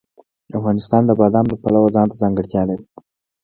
افغانستان د بادام د پلوه ځانته ځانګړتیا لري.